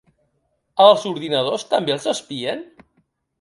Els ordinadors també els espien?